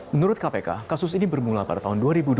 menurut kpk kasus ini bermula pada tahun dua ribu dua belas